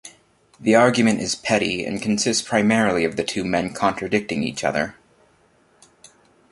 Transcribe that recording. The argument is petty, and consists primarily of the two men contradicting each other.